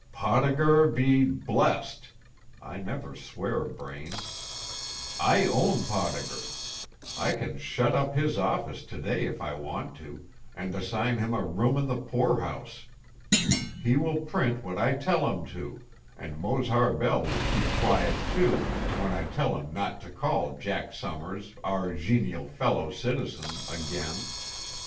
"Podauger be blessed! (I never swear, Braine.) I own Podauger. I can shut up his office to day if I want to, and assign him a room in the poorhouse. He will print what I tell him to, and Mose Harbell will keep quiet too, when I tell him not to call Jack Summers 'our genial fellow citizen' again.